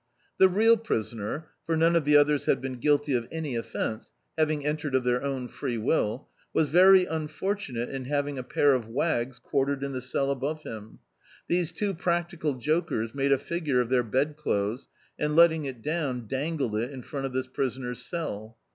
The real prisoner — for none of the others had been guilty of any offence, having entered of their own free will — was very unfortunate in having a pair of wags quartered in the cell above him. These two practical jokers made a figure of their bed clothes, and letting it down, dangled it in froit of this prisoner's cell.